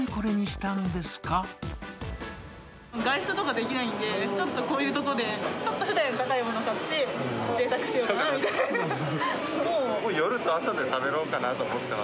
外出とかできないんで、ちょっとこういうとこで、ちょっとふだんより高いものを買って、ぜいたくしようかなみたいな。